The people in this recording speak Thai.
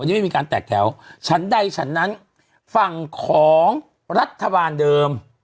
ยังไม่มีการแตกแถวชั้นใดฉันนั้นฝั่งของรัฐบาลเดิม